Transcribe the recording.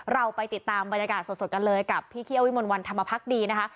เราไปติดตามบรรยากาศสดกันเลยกับพี่เคี่ยววิมลวันธรรมพักดีนะคะ